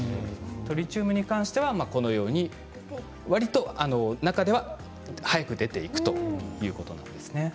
トリチウムに関してはこのように、わりと中では早く出ていくということなんです。